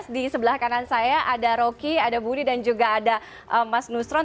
di sebelah kanan saya ada rocky ada budi dan juga ada mas nusron